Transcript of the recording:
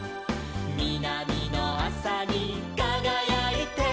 「みなみのあさにかがやいて」